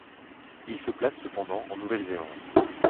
Il se place, cependant, en Nouvelle-Zélande.